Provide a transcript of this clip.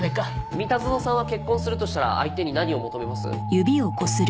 三田園さんは結婚するとしたら相手に何を求めます？